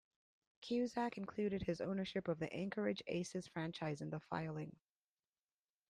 Cusack included his ownership of the Anchorage Aces franchise in the filing.